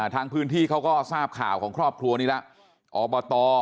ทางพื้นที่เขาก็ทราบข่าวของครอบครัวนี้แล้วอบต